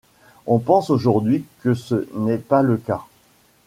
On pense aujourd’hui que ce n’est pas le cas.